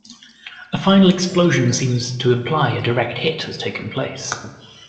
A final explosion seems to imply a direct hit has taken place.